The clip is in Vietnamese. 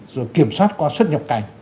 rồi kiểm soát qua xuất nhập cảnh